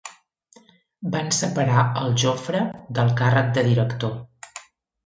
Van separar el Jofre del càrrec de director.